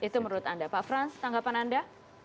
itu menurut anda pak frans tanggapan anda